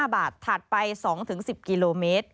๕บาทถัดไป๒๑๐กิโลเมตร